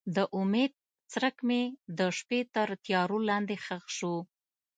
د امید څرک مې د شپو تر تیارو لاندې ښخ شو.